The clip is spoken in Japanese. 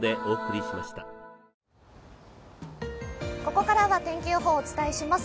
ここからは天気予報をお伝えします。